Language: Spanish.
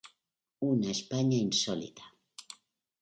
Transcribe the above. Una España insólita".